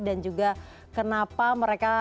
dan juga kenapa mereka